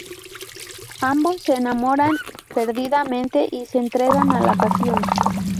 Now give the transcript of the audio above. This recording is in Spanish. Ambos se enamoran perdidamente y se entregan a la pasión.